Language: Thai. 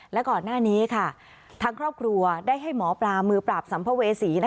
และก่อนหน้านี้ค่ะทางครอบครัวได้ให้หมอปลามือปราบสัมภเวษี